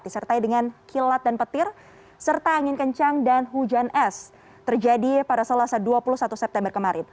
disertai dengan kilat dan petir serta angin kencang dan hujan es terjadi pada selasa dua puluh satu september kemarin